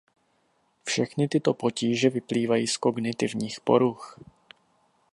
Všechny tyto potíže vyplývají z kognitivních poruch.